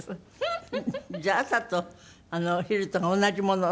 じゃあ朝とお昼と同じものなの？